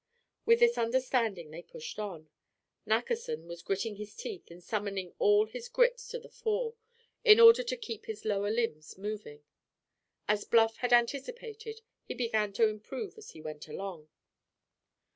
With this understanding, they pushed on. Nackerson was gritting his teeth and summoning all his grit to the fore, in order to keep his lower limbs moving. As Bluff had anticipated, he began to improve as he went along.